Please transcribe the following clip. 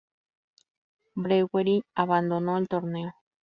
Brewery abandonó el torneo.